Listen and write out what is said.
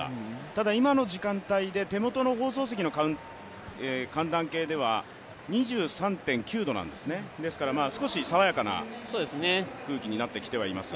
ただ、今の時間帯で手元の放送席の寒暖計では２３．９度なんですね、ですから少し爽やかな空気になっては来ています。